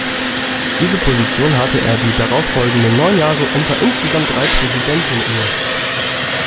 Diese Position hatte er die darauffolgenden neun Jahre unter insgesamt drei Präsidenten inne.